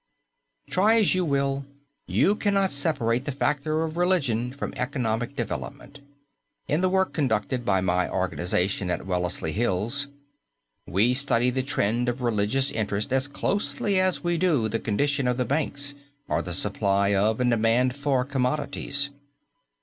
Try as you will you cannot separate the factor of religion from economic development. In the work conducted by my Organization at Wellesley Hills we study the trend of religious interest as closely as we do the condition of the banks or the supply of and demand for commodities.